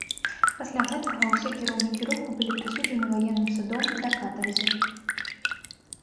Пасля гэтага ўсе кіраўнікі руху былі прысуджаны ваенным судом да катарзе.